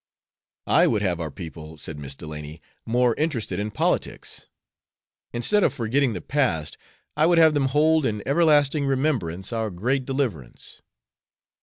"I would have our people," said Miss Delany, "more interested in politics. Instead of forgetting the past, I would have them hold in everlasting remembrance our great deliverance.